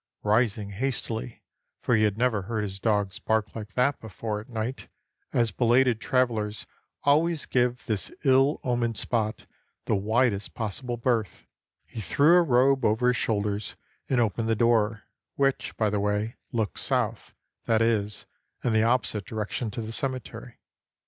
Rising hastily, — for he had never heard his dogs bark like that before at night, as belated travelers always gave this ill omened spot the widest possible berth, — he threw a robe over his shoulders and opened the door, which, by the way, looks south, that is, in the opposite direction to the cemetery.